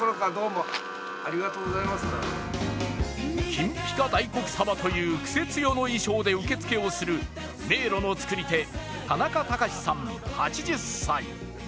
金ぴか大黒様というクセ強の衣装で受け付けをする迷路の作り手、田中隆さん８０歳。